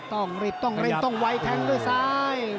ต้องริดต้องไวทั้งด้วยซ้าย